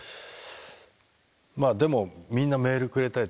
まあでもみんなメールくれたり手紙